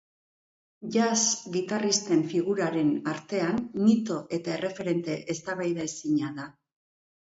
Jazz gitarristen figuraren artean mito eta erreferente eztabaidaezina da.